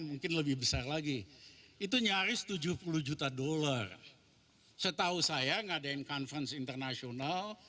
mungkin lebih besar lagi itu nyaris tujuh puluh juta dolar setahu saya ngadain conference internasional